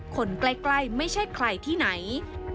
คนใกล้ไม่ใช่ใครที่ไหน